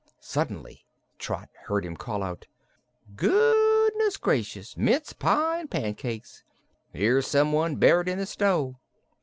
Suddenly Trot heard him call out: "Goodness gracious mince pie and pancakes! here is some one buried in the snow."